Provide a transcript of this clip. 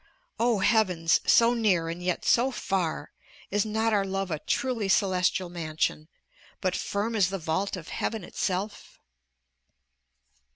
] Oh, heavens! so near, and yet so far! Is not our love a truly celestial mansion, but firm as the vault of heaven itself?